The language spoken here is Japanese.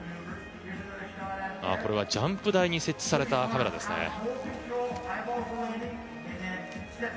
これはジャンプ台に設置されたカメラですね。